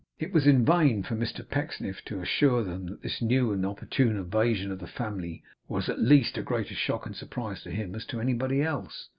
It was in vain for Mr Pecksniff to assure them that this new and opportune evasion of the family was at least as great a shock and surprise to him as to anybody else.